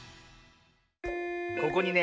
ここにね